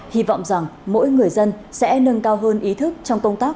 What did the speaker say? hy vọng rằng mỗi người dân sẽ nâng cao hơn ý thức trong công tác giảm khải dịch